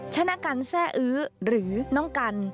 ชนะกันแซ่อื้อหรือน้องกัน